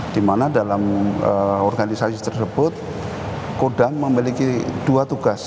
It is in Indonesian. dimana dalam organisasi tersebut kodan memiliki dua tugas